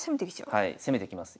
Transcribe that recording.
はい攻めてきます。